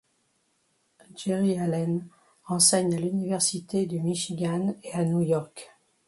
Geri Allen enseigne à l’Université du Michigan et à New York.